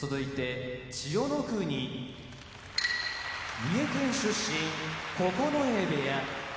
千代の国三重県出身九重部屋